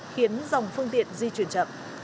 khiến dòng phương tiện di chuyển chậm